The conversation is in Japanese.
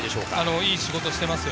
いい仕事をしています。